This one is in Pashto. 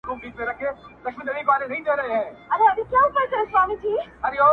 زه د خپل ليـــونی زړهٔ څنــــــــــــــګه قابو کـــــــــــړم